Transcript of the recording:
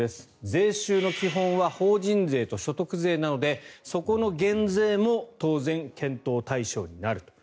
税収の基本は法人税と所得税なのでそこの減税も当然、検討対象になると。